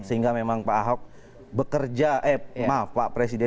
sehingga memang pak ahok bekerja eh maaf pak presiden